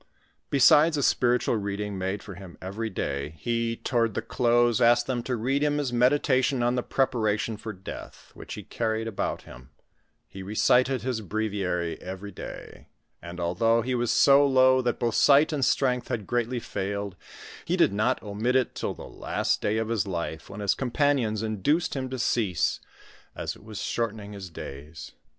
Besides a spiritual reading made for him every day, he tow i !#; i 68 NABBATIVE OF FATHBB UABQUBTTE. ■/ifHii' ard the close asked them to read him his meditation on the preparation for death, which he carried about him : he recited his breviary every day ; and although he was so low, that both sight and strength had greatly failed, he did not omit it till the last day of his life, when his companions induced him to cense, as it was shortening his days.